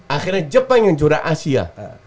akhirnya jepang yang juara asia